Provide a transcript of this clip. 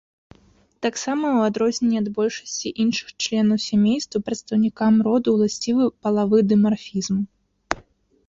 Таксама, у адрозненне ад большасці іншых членаў сямейства, прадстаўнікам роду ўласцівы палавы дымарфізм.